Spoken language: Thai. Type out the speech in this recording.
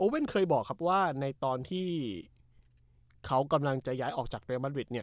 เว่นเคยบอกครับว่าในตอนที่เขากำลังจะย้ายออกจากเรมัดวิดเนี่ย